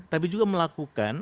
tapi juga melakukan